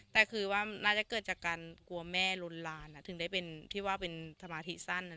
แต่คือว่าน่าจะเกิดจากการกลัวแม่ลุนลานถึงได้เป็นที่ว่าเป็นสมาธิสั้น